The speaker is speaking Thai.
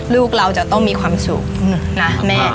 ลูกเราจะต้องมีความสุขนะแม่